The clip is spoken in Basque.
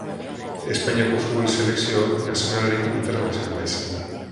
Espainiako futbol selekzio nazionalarekin internazionala izan da.